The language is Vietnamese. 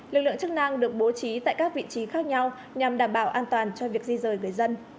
lực lượng chức năng được bố trí tại các vị trí khác nhau nhằm đảm bảo an toàn cho việc di rời người dân